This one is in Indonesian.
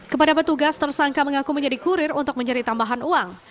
kepada petugas tersangka mengaku menjadi kurir untuk menjadi tambahan uang